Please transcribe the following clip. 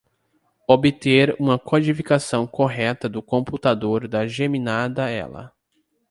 Obter uma codificação correta do computador da geminada ela.